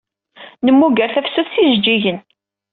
Nemmuger tafsut s yijeǧǧigen.